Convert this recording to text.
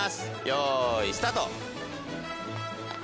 よいスタート！